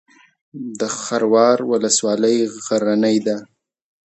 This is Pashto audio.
د خروار ولسوالۍ غرنۍ ده